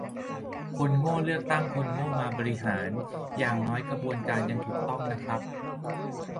คนโง่เลือกตั้งคนโง่มาบริหาร อย่างน้อยกระบวนการยังถูกต้องนะครับ